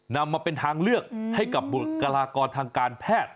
นำมาเป็นทางเลือกให้กับบุคลากรทางการแพทย์